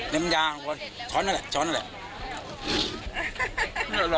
น้ำยาลุงพลช้อนนั่นแหละช้อนนั่นแหละ